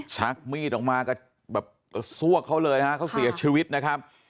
ชักมีดออกมาก็แบบกระซวกเขาเลยนะฮะเขาเสียชีวิตนะครับ